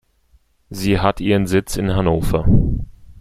Sie hat ihren Sitz in Hannover.